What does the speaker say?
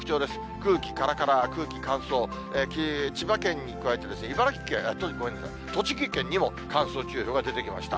空気からから、空気乾燥、千葉県に加えて茨城県、ごめんなさい、栃木県にも乾燥注意報が出てきました。